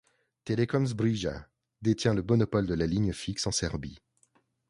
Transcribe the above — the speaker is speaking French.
Telekom Srbija détient le monopole de la ligne fixe en Serbie.